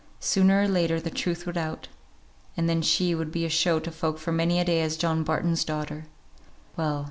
Sooner or later the truth would out; and then she would be a show to folk for many a day as John Barton's daughter. Well!